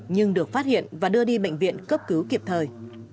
nhưng được phát hiện và đưa đi bệnh viện cấp cứu kịp thời